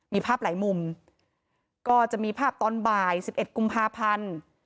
มีภาพหลายมุมก็จะมีภาพตอนบ่าย๑๑กุมภาพันธ์